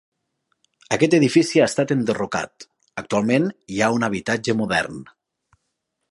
Aquest edifici ha estat enderrocat, actualment hi ha un habitatge modern.